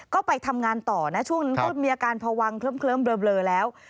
ก็ไปทำงานต่อนะช่วงนั้นก็มีอาการพวังเคลิ้มเบลอแล้ว